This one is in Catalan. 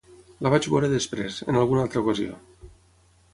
La vaig veure després, en alguna altra ocasió.